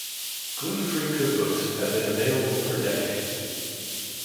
Gluten-free cookbooks have been available for decades.